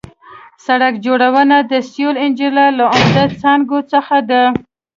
سړک جوړونه د سیول انجنیري له عمده څانګو څخه ده